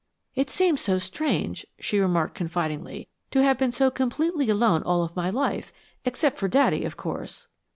"It seems so strange," she remarked, confidingly, "to have been so completely alone all of my life except for Daddy, of course."